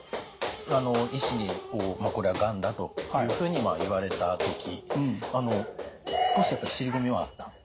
医師にこれはがんだというふうに言われた時少しやっぱり尻込みはあった？